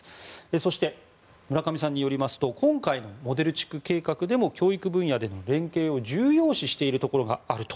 そして、村上さんによりますと今回のモデル地区計画でも教育分野での連携を重要視しているところがあると。